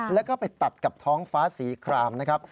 แล้วก็ไปตัดกับท้องฟ้าสีครามนะครับ